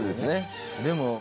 でも。